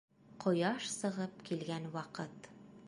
Ҡояш сығып килгән ваҡыт.